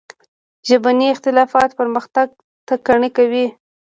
ژبني اختلافات پرمختګ ټکنی کوي.